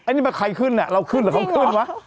นี่มันใครขึ้นน่ะเราขึ้นหรือเขาขึ้นวะ